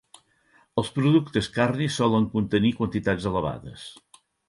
Els productes carnis solen contenir quantitats elevades.